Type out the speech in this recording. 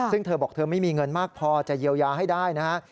ซึ่งเธอบอกเธอไม่มีเงินมากพอจะเยียวยาให้ได้นะฮะ